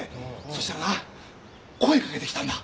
そしたらな声掛けてきたんだ。